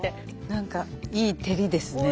何かいい照りですね。